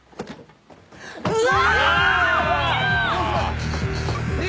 うわ！